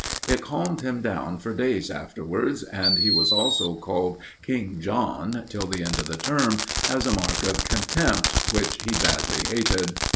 It calmed him down for days afterwards, and he was also called "King John" till the end of the term, as a mark of contempt, which he badly hated.